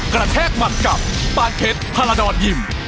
กระแทกมันกับปานเผ็ดภาระดอดยิ่ม